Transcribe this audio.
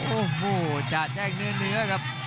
โอ้โหจะแจ้งเนื้อครับ